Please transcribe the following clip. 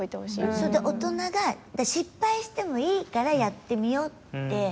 それで大人が失敗してもいいからやってみようって。